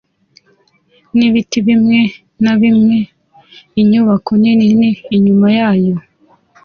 n’ibiti bimwe na bimwe inyubako nini inyuma yabo